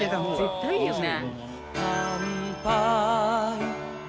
絶対いいよね。